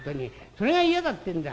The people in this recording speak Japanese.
それが嫌だってえんだ。